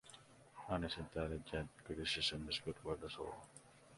Honest, intelligent criticism is good for the soul.